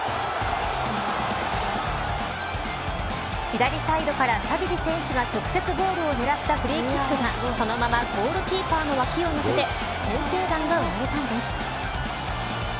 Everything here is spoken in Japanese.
左サイドからサビリ選手が直接ゴールを狙ったフリーキックがそのままゴールキーパーの脇を抜けて先制弾が生まれたんです。